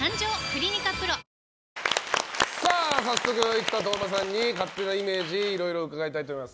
早速、生田斗真さんに勝手なイメージいろいろ伺いたいと思います。